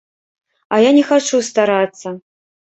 А я не хачу старацца.